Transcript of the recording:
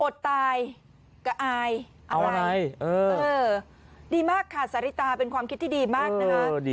อดตายก็อายอะไรดีมากค่ะสาริตาเป็นความคิดที่ดีมากนะคะ